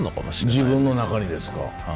自分の中にですか。